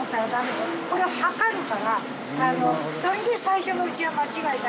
それで最初のうちは間違えた。